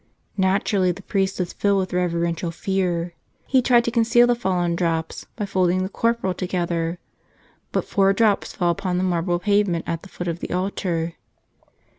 Naturally, the priest was filled with reverential fear. He tried to conceal 61 " Tell Us Another !" the fallen drops by folding the corporal together, but four drops fell upon the marble pavement at the foot of the altar.